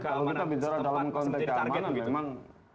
kalau kita bicara dalam konteks keamanan memang